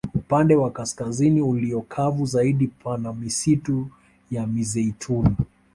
Upande wa kaskazini ulio kavu zaidi pana misitu ya mizeituni